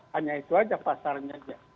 hanya itu saja pasarnya aja